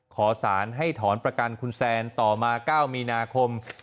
ขอสารให้ถอนประกันคุณแซนต่อมา๙มีนาคม